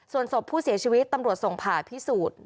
ส่วนศพผู้เสียชีวิตตำรวจส่งผ่าพิสูจน์